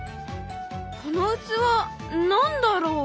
この器何だろう？